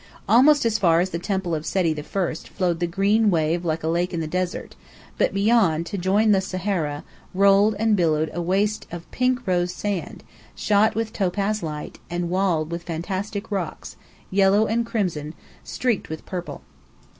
Almost as far as the Temple of Seti I flowed the green wave like a lake in the desert, but beyond, to join the Sahara, rolled and billowed a waste of rose pink sand, shot with topaz light, and walled with fantastic rocks, yellow and crimson, streaked with purple.